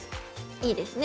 いいですね